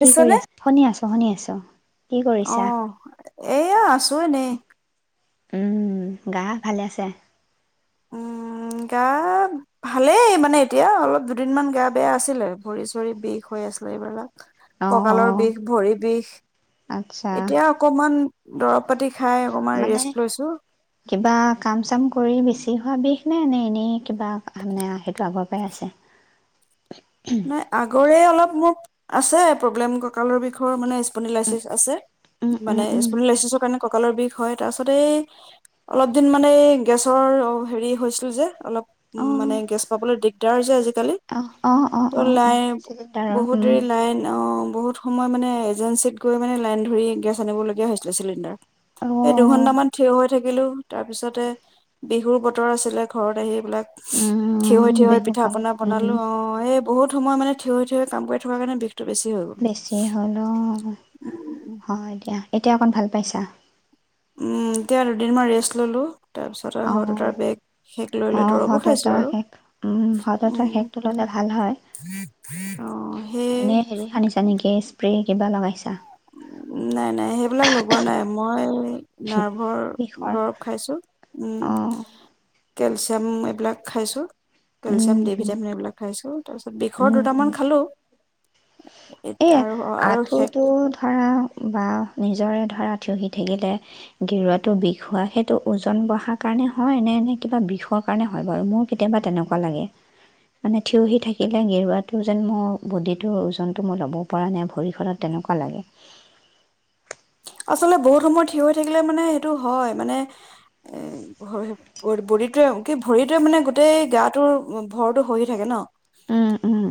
কি কৰি আছ শুনি আছোঁ শুনি আছোঁ কি কৰিছা? অহ এয়া আছো এনেই। [inaudible] উম গা ভালে আছে? উম, গা ভালেই মানে এতিয়া অলপ দুদিনমান গা বেয়া আছিলে ভৰি চৰি বিষ হৈ আছিলে এইবিলাক। অ ককালৰ বিষ, ভৰি বিষ, আচ্ছা এতিয়া অকমান দৰব পাতি খাই অকমান মানে ৰেষ্ট লৈছো। কিবা এনে এনে এনেই কিবা অহ মানে সেইটো আগৰ পৰাই আছে। নাই আগৰে অলপ অ মোৰ আছে প্ৰব্লেম কঁকালৰ বিষৰ মানে ইচ উম উম উম ানে কাৰ কঁকালৰ বিষ হয় তাৰপাছতে এই অলপ দিন মানে গেছৰ অ হেৰি হৈছিল যে অলপ উম মানে গেছ পাবলৈ দিগ তাৰ যে, আজিকালি অহ ত' লাইন বহুত উম দেৰি লাইন, অ', বহুত সময় মানে এজেঞ্চিত গৈ মানে লাইন ধৰি গেছ আনিবলগীয়া হৈছিলে চিলিণ্ডাৰ, অ এই দুঘন্টামান থিয় হৈ থাকিলোঁ। তাৰপিছতে বিহুৰ বতৰ আছিলে ঘৰত আহি এইবিলাক থিয় হৈ উম থিয় হৈ বিহু কাম পিঠা-পনা উম বনালো অঅ বহুত সময় মানে থিয় হৈ থিয় হৈ কাম কৰি থকাৰ কাৰণে বিষ বেছি হ'ল ও, হয় দিয়া। এতিয়া অকণ ভাল পাইছা। উম, এতিয়া আৰু দুদিন মান ৰেষ্ট ললোঁ। অ', লৈ অ', দৰৱো হত খাইছো ৱাটাৰ আৰু সেক উম, হত ৱাটাৰ উম, সেকটো ল'লে ভাল হয়। অ' সেই এনে, হেৰি সানিছা নেকি স্প্ৰে? কিবা লগাইছা। উ নাই নাই সেইবিলাক লগোৱা নাই। ময়‌ই নাৰ্ভৰ বিষৰ দৰৱ খাইছো। উম অ কেলচিয়াম, এইবিলাক খাইছোঁ। কেলচিয়াম উম দি, উম ভিটামিন এইবিলাক খাইছোঁ। তাৰ পিছত, বিষৰ উম দুটামান খালোঁ। [inaudible] এই আৰু আৰু শেষ আঁঠুটো ধৰা, বা নিজৰে ধৰা, থিয় হৈ থাকিলে গেৰুৱাটো বিষ হোৱা, সেইটো ওজন বঢ়াৰ কাৰণে হয় নে, নে কিবা বিষৰ কাৰণে হয় বাৰু? মোৰ কেতিয়াবা তেনেকুৱা লাগে, মানে, থিয় হৈ থাকিলে গেৰুৱাটো যেন মোৰ বডিটোৰ ওজন টো, মই যাবও পাৰা নাই। ভৰিখনত তেনেকুৱা লাগে আচলতে, বহুত সময় থিয় হৈ থাকিলে, মানে, সেইটো হয়। মানে, এ, বডিটোৱে, অ', কি, ভৰিটোৱে, মানে, গোটেই গাটোৰ ভৰটো সহি থাকে ন? উম উম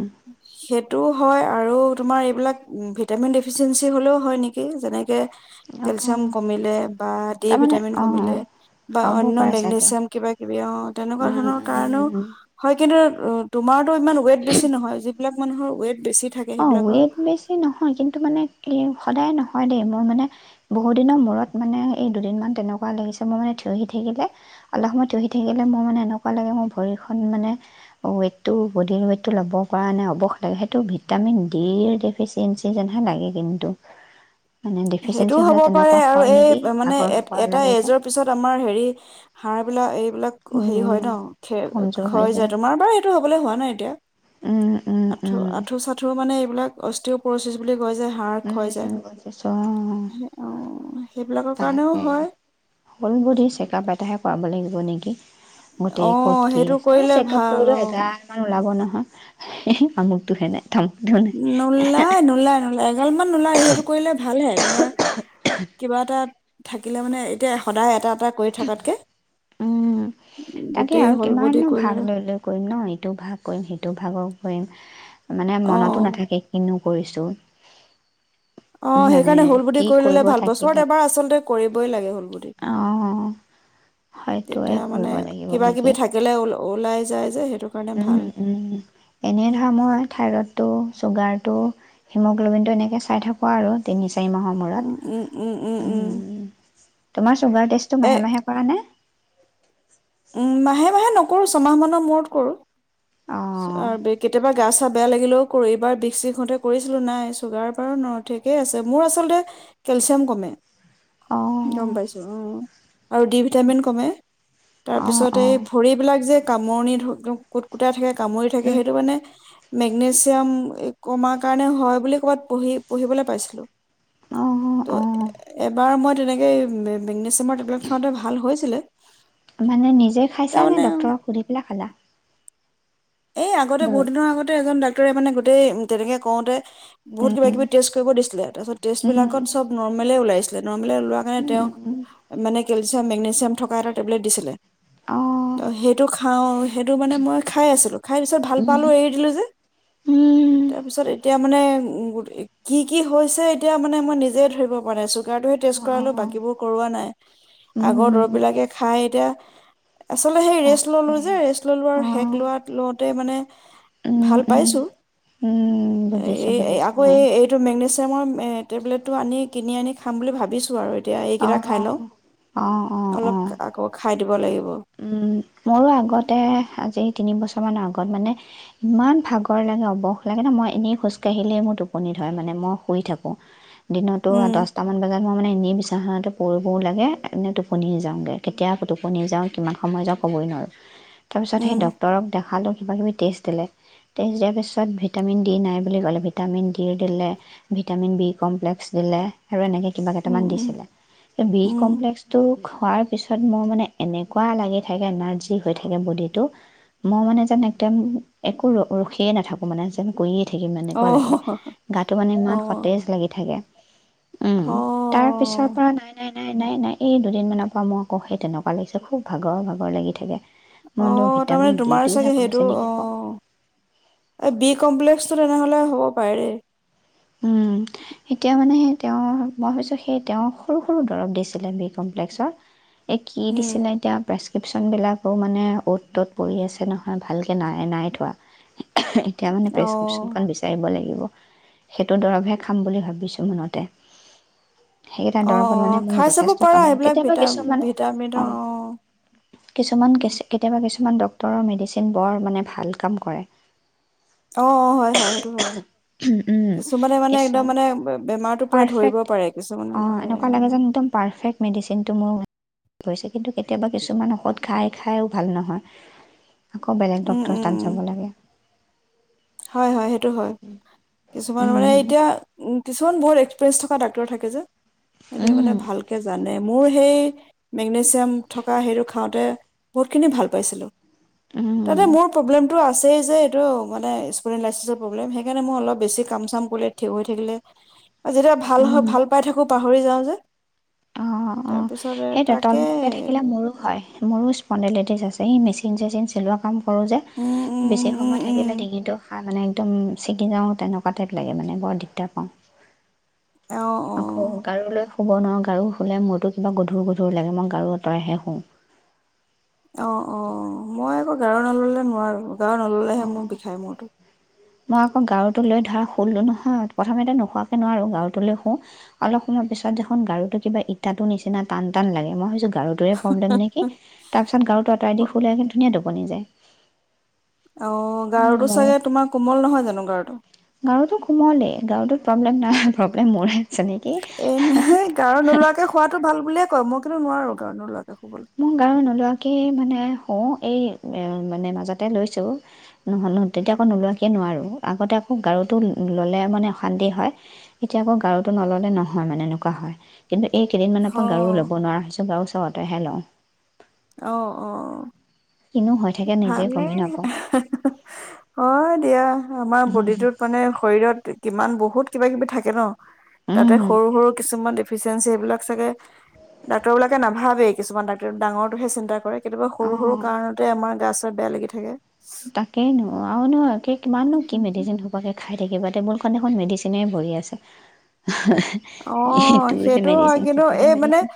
সেইটোও হয়। আৰু তোমাৰ, এইবিলাক ভিটামিন ডেফিচিয়েঞ্চি হ'লেও হয় নেকি? যেনে কে অ কেলচিয়াম কমিলে বা ডি তাৰমানে ভিটামিন অ কমিলে, বা হ'ব অন্য পাৰে চাগে মেগনেছিয়াম, কিবা-কিবি, অ', তেনেকুৱা উম ধৰণৰ উম কাৰণেও উম হয়। কিন্তু, তোমাৰতো ইমান ৱেইট বেছি নহয়। যিবিলাক মানুহৰ ৱেট বেছি থাকে অ', সেইবিলাকৰ ৱেইট বেছি নহয়, কিন্তু, মানে এই সদায় নহয় দেই। মই, মানে, বহুদিনৰ মূৰত, মানে, এই দুদিনমান তেনেকুৱা লাগিছে। মোৰ মানে, থিয় হৈ থাকিলে, অলপ সময় থিয় হৈ থাকিলে, মোৰ, মানে, এনেকুৱা লাগে, মোৰ ভৰিখন, মানে, ৱেইটটো, বডিৰ ৱেইটটো ল'ব পৰা নাই। অৱস লাগে, সেইটো কি ভিটামিন ডিৰ ডেফিচিয়েঞ্চি যেনহে লাগে, কিন্তু মানে ডেফিচিয়েঞ্চি সেইটোও হ'লে হ'ব পাৰে। তেনেকুৱা আৰু, হয় এই, নেকি মানে, ভাগৰ এ, ভাগৰ এটা লাগে যে এজৰ পিছত আমাৰ, হেৰি হাঁড়বিলাক, এই এইবিলাক, হেৰি, হয় উম ন, খে, কমজোৰ হৈ খয় যায়। তোমাৰ বাৰু সেইটো হ'বলৈ হোৱা নাই এতিয়া। উম উম উম আঁঠু-চাঁঠু, মানে বিলাক অষ্ট্ৰীয়প্ৰৰেছিচ বুলি হৈ যায় হাড় হৈ যায় উম বুজিছোঁ অ অ', সেইবিলাকৰ কাৰণেও তাকে হয়। হ'ল বডি চেকআপ এটাহে [unintelligible] নেকি অ গোটেই ক'ত কি সেইটো আছে, কৰিলে চেক আপ ভাল কৰিলো অ এগালমান ওলাব নহ। সেই আমুকটোহে নে? নোলাই নোলাই নোলাই এগালমান নোলায়, সেইটো কৰিলে ভালহে। তোমাৰ কিবা এটা থাকিলে মানে এতিয়া সদায় এটা এটা কৰি থকাতকৈ উম, তাকে আৰু হ'ল বডি কিমানো কৰি ভাগ ললে লৈ-লৈ কৰিম ন! ইটো ভাগ কৰিম সেইটো ভাগক কয়িম মানে অ মনতো নাথাকে, কিনু কৰিছোঁ অ মানে সেইকাৰণে হুল বুদ্ধি কি কৰি কৰিব ললে ভাল বছৰত এবাৰ আচলতে কৰিবই লাগে হ'ল বডি অ হয়তো তেতিয়া মানে কৰিব লাগিব কিবা কিবি নেকি থাকিলে ওল ওলাই যায় যে সেই উম, উম এনে ধৰা মই থাইৰতো চুগাৰটো হিমগ্ল'বিনটো এনেকৈ চাই থাকো আৰু তিনি চাৰি মাহৰ উম উম উম উম মূৰত। উম তোমাৰ চুগাৰ টেষ্টটো এ মাহে মাহে কৰা নে? উম মাহে মাহে নকৰো ছমাহ মানৰ মূৰত কৰো। চ অ', আৰু কেতিয়াবা গা চা বেয়া লাগিলেও কৰিবা এইবাৰ বিষ চিষ মতে কৰিছিলো নাই চুগাৰ বাৰু ন ঠিকেই আছে মোৰ আচলতে কেলচিয়াম কমে। গম অ', পাইছোঁ উ আৰু ডি ভিটামিন কমে। তাৰ অ', পিছত এই অ', ভৰিবিলাক এযে কামোৰণি ধু কোত কুট থাকে কামুৰি থাকে উম, সেইটো মানে মেগনেছিয়াম কমাৰ কাৰণে হয় বুলি ক'বাত পঢ়ি পঢ়িবলৈ পাইছিলো। অ', অ'। ত' এবাৰ মই তেনেকে [unintelligible] মাৰ টেবলেট খাওঁতে ভাল হৈছিলে। মানে নিজে খাইছা নে তাৰমানে দক্তৰক সুধি পেলাই খালা? এই আগতে দৰৱ? বহুত দিনৰ আগতে এজন ডা [unintelligible] মানে গোটেই তেনেকে কওঁতে বহুত উম, কিবা উম, কিবি টেষ্ট কৰিব দিছিলে তাৰপিছত টেষ্ট বিলাকত উম, চব নৰ্মেলে ওলাইছ [unintelligible] ওলোৱা কাৰণে তেওঁ উম, মানে পিছে মেগনেছিয়াম থকা এটা টেবলেট দিছিলে। অ সেইটো খাও সেইটো মানে মই খাই আছিলো। ি ভাল পাল উম, এ দিলো উম। যেতি এতিয়া মানে উ কি কি হৈছে এতিয়া মানে মই নিজে ধৰিব পৰা নাই। গা টো হে টেষ্ট কৰালো অ', বাকীবোৰ কৰোৱা নাই আগৰ দৰৱ উম, বিলাকে খাই এতিয়া আচলতে সেই ৰেষ্ট ললো যে তাকেহে ৰেষ্ট ললো আৰু শেষ অ', লোৱ লওঁতে মানে উম, ভাল উম। পাইছো। উম, এ বুজিছোঁ এই আকৌ বুজিছোঁ এই এইটো মেগনেছিয়ামৰ এ টেবলেটটো আনি কিনি আনি খাম বুলি ভাবিছোঁ আৰু এতিয়া অ', এইকেইটা খাই লওঁ। অ', অ', অ', অলপ অ'। আকৌ টে খাই দিব লাগিব। উম, মোৰো আগতে আজি তিনিবছৰমানৰ আগত মানে ইমান ভাগৰ লাগে অৱস লাগে ন মই এনেই খোজকাঢ়িলেই মোৰ টোপনি ধৰে মানে মই শুই থাকোঁ। দিনতো উম দহটামান বজাত মই মানে এনে বিচনাখনাতে পৰিবও লাগে এনে টোপনি যাওঁগে কেতিয়া টোপনি যাওঁ কিমান সময় যাওঁক সময় নয় তাৰ পিছত সেই উম ড্ক্তৰক দেখালো। কিবাকিবি টেষ্ট দিলে, টেষ্ট দিয়াৰ পিছত ভিটামিন ডি নাই বুলি ক'লে, ভিটামিন ডি দিলে ভিটামিন বি কমপ্লেক্স দিলে আৰু এনেকৈ কিবা উম কেইটামান উম দিছিলে। বি উম কমপ্লেক্সটো খোৱাৰ পিছত মোৰ মানে এনেকুৱা লাগে এনাৰ্জি হৈ থাকে বদিটো মই মানে যেন একদম একো ৰখিয়েই নাথাকো মানে যেন গৈয়ে থাকিম এনেকুৱা লাগে, অ' গাটো মানে ইমান অ' সতেজ লাগি থাকে। উম, তাৰ পিছৰ অ', পৰা নাই নাই নাই-নাই-নাই এই দুদিনমানৰ পৰা মই আকৌ সেই তেনেকুৱা লাগিছে খুব ভাগৰ ভাগ ৰ লাগি থাকে। মই বোলো অ', ভিটামিন তাৰমানে তোমাৰ ডিটোহে চাগে কমিছে সেইটো, নেকি আকৌ অ', এই বি কমপ্লেক্সটো তেনেহলে হ'ব ফৰে। উম, এতিয়া মানে সেই তেওঁ মই ভাবছোঁ সেই তেওঁ সৰু-সৰু দৰৱ দিছিলে বি কমপ্লেক্সৰ। এ কি উম, দিছিলে এতিয়া প্ৰেছ প্ৰেক্ৰিপশ্যনবিলাকো মানে অ'ত-ত'ত পৰি আছে নহয় ভালকৈ নাই-নাই থোৱা। এতিয়া মানে অ', প্ৰেছক্ৰিপশ্যনখন বিচাৰিব লাগিব। [inaudible] সেইটো দৰৱহে খাম বুলি ভাবিছোঁ মনতে। সেইকেইটা অ, দৰৱত মানে অ, মোক খাই চাব যথেষ্ট কাম পাৰা লাগে। সেইবিলাক কেতিয়াবা ভিটা কিছুমান ভিটামিনৰ অ, কিছুমান কেচি কেতিয়াবা কিছুমান ডক্তৰৰ মেডিচিন বৰ মানে ভাল কাম কৰে। অ, অ, হয়-হয় সেইটো হয়। উম, কিছুমানে মানে একদম কিছুমান মানে বেমাৰটোৰ পুৰা ধৰিব পাৰফেক্ট পাৰে কিছুমানে অঁ নোৱাৰে। এনেকুৱা লাগে হৈছে কিন্তু কেতিয়াবা কিছুমান ঔষধ খাই খাইয়ো ভাল নহয়। আকৌ বেলেগ ডক্তৰ তাত যাব লাগে। হয়-হয় সেইটো হয়, কিছু আৰ মানে এতিয়া কিছুমান বহুত এক্সপেৰিয়েঞ্চ থকা ডাক্তৰ থাকে যে। সেইটো মানে ভালকে জানে মোৰ সেই মেগনেছিয়াম থকা সেইটো খাওঁতে বহুতখিনি ভাল পাইছিলোঁ। তাতে মোৰ প্ৰব্লেমতটো আছে। আছেই যে এইটো মানে ই [unintelligible] প্ৰব্লেম সেইকাৰণে মই অলপ বেছি কাম চাম কৰিলে থিয় হৈ থাকিলে যেতিয়া ভাল হয় ভাল পাই থাকো। পাহৰি যাওঁ যে। অ, অ, অ তাৰপিছতে সেইটোৱে তাকে তলমুৰকে থাকিলে মোৰো হয়, মোৰো স্পন্ডেলেটিজ আছে। এই মেচিন-চেচিন চলোৱা কাম। কৰোঁ যে উম উম বেছি উম সময় উম থাকিলে ডিঙিটো। মানে একদম ছিগি যাওঁ তেনেকুৱা টাইপ লাগে মানে বৰ দিগদাৰ পাওঁ। অ আকৌ অ গাৰুলৈ শু শুব নোৱাৰো গাৰু শুলে মুৰতো কিবা গধুৰ গধুৰ লাগে মই গাৰু আঁতৰাইহে শুওঁ। অ, অ-অ মই আকৌ গাৰু নল'লে নোৱাৰো। গাৰু নল'লেহে মোৰ বিষাই মুৰতো। মই আকৌ গাৰুটো লৈ ধৰা শুলোঁ নহয় প্ৰথমতে নোশুৱাকৈ নোৱাৰো গাৰুটো লৈ শোওঁ অলপ সময় পিছত দেখোন গাৰুটো কিবা ইটাটোৰ নিচিনা টান টান লাগে মই ভাবিছোঁ গা গাৰু টোৱে প্ৰবলেম নেকি, তাৰপিছত গাৰুটো অতৰাই দি শুলে একে ধুনীয়া টো বনি যায়। অ গাৰটো মোৰ চাগে তোমাৰ কোমল নহয় জানো, গাৰটো গাৰূটোত প্ৰব্লেম নাই, প্ৰব্লেম মোৰে। আছে নেকি এনেহে গাৰু নোলোৱাকে খোৱাাতটো ভাল বুলিয়ে ক মই কিন্তু নোৱাৰো গাৰু নোলোৱাকৈ। মোৰ গাৰু নোলোৱাকে। মানে হ এই মানে মাজতে লৈছো তেতিয়া আকৌ নোলোৱাকে নোৱাৰো আগতে আকৌ গাৰুটো ললে মানে অশান্তি হয়। এতিয়া আকৌ গাৰুতটো নললে নহয় মানে এনেকুৱা হয় কিন্তু এই কেইদিনমানৰ পৰা অ গাৰু লব নোৱাৰা হৈছো, গাৰু চতে হেল্ল' [unintelligible] আহ অ। কিনো হৈ থাকে নিজে গমেই ভালেই, নাপাওঁ অ দিয়া। আমাৰ বডিটোত মানে শৰীৰত কিমান বহুত বহুত কিবা কিবি থাকে ন। তাতে সৰু সৰু কিছুমান। ফিচিয়েঞ্চি সেইবিলাক চাগে ডাক্তৰ বিলাকে নাভাবে কিছুমান ডাক্তৰ ডাঙৰ হে চিন্তা কৰে। কেতিয়াবা সৰু সৰু অঁ কাৰণতে আমাৰ গাছ বেয়া লাগি থাকে। তাকেই নো, আৰু কি কিমানো কি মেডিচিন খোপাকে খাই থাকিবা টেবুল খ দেখুন মেডিচিনে ভৰি আছে। অ ইটোৰহে সেইটো হয় মেডিচিন কিন্তু সিটোৰহে এই মানে মেডিচিন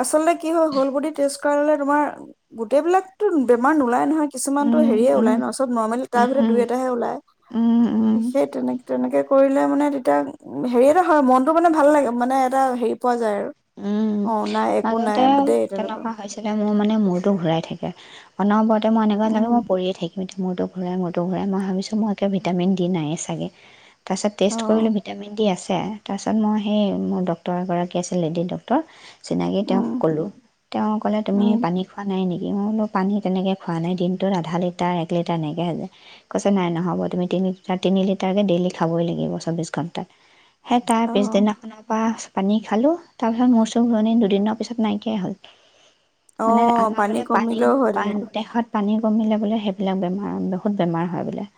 আচলতে কি হয় হল বডি টেষ্ট কৰালে তোমাৰ গোটেইবিলাকতো বেমাৰ নোলাই নহয়। কিছুমানতটো উম হেৰিয়ে ওলাই উম ন চব নৰ্মেল তাৰ উম ভিতৰত দুই এটাহে ওলায় উম উম সেই তেনে তেনেকে কৰি। মানে তেতিয়া হেৰিয় হয় মনতটো মানে ভাল লাগে মানে এটা হেৰি পোৱা যায় আৰু উম, অ নাই একো নাই মাজতে দেই তেনেকুৱা হৈছিলে মোৰ মানে মূৰতটো ঘূৰাই থাকে। অনবৰত মই‌ এনেকোবা লাগে, মই উম পৰিয়ে থাকিম। স মোৰতো ঘূৰাই মোৰৰতো ঘূৰাই মই ভাবিছোঁ মই ভিটামিন দি নায়েই চাগে। তাৰপছ অ টেষ্ট কৰিলো ভিটামিন ডি আছে। তাৰপিছত মই সেই মোৰ ডক্তৰ এগৰাক আছে। কিলিন ডক্টৰ চিনাকি তেওঁক উম ক'লো তেওঁ ক'লে তুমি উম পানী খোৱা নাই নেকি। মই কলো পানী তেনেকৈ খোৱা নাই দিনটোত আধা লিটাৰ এক লিটাৰ এনেকৈ হৈ যায় কৈছে নাই নহ'ব তুমি তিনি লিটাৰ তিনি লিটাৰকে ডেইলি খাবই লাগিব চৌব্ববিছ ঘণ্টাত সেই তাৰ অ পিছদিনাখনৰ পৰা পানী খালোঁ। তাৰপিছত মোৰ চোৰ ঘুৰণি দুদিনৰ পিছত নাইকিয়াই হল। অ মানে আমাৰ পানী বোলে কমিলেও হয় পানী তেনেকুৱা দেহত। পানী কমিলে বোলে সেইবিলাক বেমাৰ বহুত বেমাৰ হয় বোলে।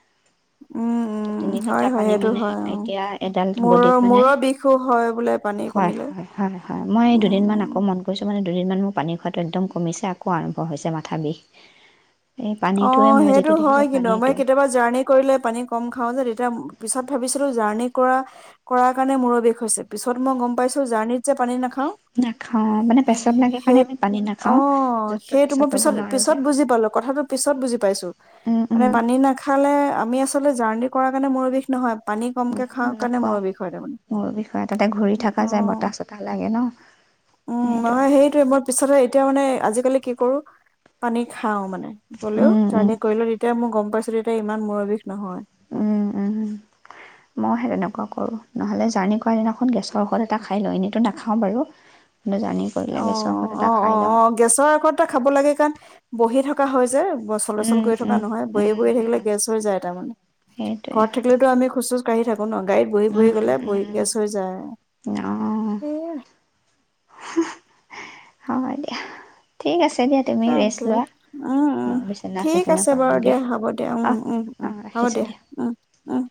উম উম তিনি হয় লিটাৰ হয় পানী সেইটো মানে হয় অ এতিয়া এডাল মোৰ বডিত মানে মোৰৰ বিষো হয় বোলে পানী হয় কমিলে। হয় হয় মই এই উম দুদিনমান উম আকৌ মন কৰিছোঁ মানে দুদিন মান মোৰ পানী খোৱাটো একদম কমিছে আকৌ আৰম্ভ হৈছে মাথা বিষ। এই অ পানীটোৱে মই সেইটো যিটো হয় দেখিছোঁ কিন্তু মই পানীটো কেতিয়াবা জাৰ্ণি কৰিলে পানী কম খাওঁ যে তেতিয়া পিছত ভাবিছিলো জাৰ্ণিত। কৰা কৰাৰ কাৰণে মূুৰবিষ হৈছে পিছত মই গম পাইছো জাৰ্ণিত। যে পানী নাখাও নাখাওঁ মানে পেচাব লাগে কাৰণে সেই আমি পানী অ নাখাওঁ য'ত ত'ত সেইটো পেচাব মই কৰিব পিছত নোৱাৰোঁ যে পিছত বুজি পালো কথাটো। পিছত বুজি পাইছো মানে পানী নাখালে আমি আচলতে। আচলতে জাৰ্ণি কৰাৰ কাৰণে মোৰ বিষ নহয়। পানী কমকে খাওঁ কাৰণে নোখোৱাওঁ মূৰৰ বিষ হয় তাৰ মানে মূৰ বিষয় তাতে ঘূৰি থকা যায় বতাহ চতাহ লাগে ন অ মানে সেইটোৱে সেই টোৱে মই পিছতে এতিয়া মানে আজিকালি কি। বহুত পানী খাও মানে। হ'লেও উম উম জাৰ্ণি কৰিলো যেতিয়া তেতিয়া মই গম পাইছো। [unintelligible] ইমান মূৰ বিষ নহয়। উ উ মই সেই তেনেকুৱা কৰো নহ'লে জাৰ্ণি কৰা দিনাখন গেছৰ ঔষধ এটা খাই লওঁ এনেতো নাখাওঁ বাৰু। কিন্তু জাৰ্ণি কৰিলে অ গেছৰ ঔষধ অ এটা অ খাই অ লওঁ অ গেছৰ ঔষধ এটা খাব লাগে কাৰণ বহি থাকো। কাহো যে। চলচল উম কৰি থকা উম নহয় বহি বহ উম থাকিলে উম গেছ হৈ যায় তাৰমানানে সেইটোৱে ঘৰত থাকিলেতো আমি খোচ কি থাকো আ ন গাড়ীত বহি বহি উম গ'লে বহি উম গেছ হৈ যায় অঁ আৰু। হ'ব দিয়া ঠিক আছে। দিয়া তুমি ৰেষ্ট ৰাখো লোৱা অ, অ, মই বিচনা ঠিক চিচনা আছে বাৰু পাৰোঁগৈ দিয়া হ'ব দিয়া অঁ অ, অঁ অ হব ৰাখিছোঁ দিয়া উ উ।